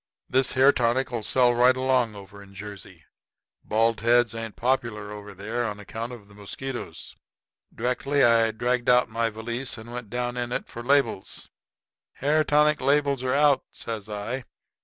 This hair tonic'll sell right along over in Jersey. Bald heads ain't popular over there on account of the mosquitoes." Directly I dragged out my valise and went down in it for labels. "Hair tonic labels are out," says I.